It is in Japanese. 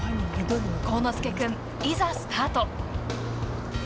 幸之介君、いざスタート。